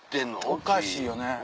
おかしいよね。